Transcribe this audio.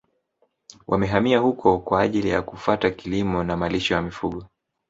Wamehamia huko kwa ajili ya kufata kilimo na malisho ya mifugo